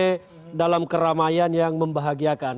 pesta demokrasi ini memang pesta demokrasi yang membahagiakan